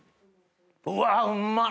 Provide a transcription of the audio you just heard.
うわうんまっ！